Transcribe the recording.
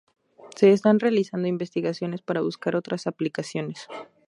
Se están realizando investigaciones para buscar otras aplicaciones.